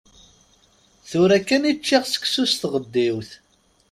Tura kan i ččiɣ seksu s tɣeddiwt.